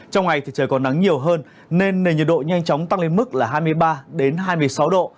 trong ngày thì trời còn nắng nhiều hơn nên nền nhiệt độ nhanh chóng tăng lên mức là hai mươi ba hai mươi sáu độ